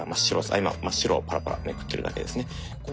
今真っ白をパラパラめくってるだけですね。